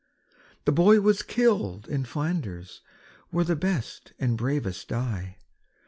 The boy was killed in Flanders, where the best and bravest die.